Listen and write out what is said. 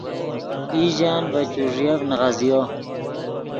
ایژن ڤے چوݱیف نیغزیو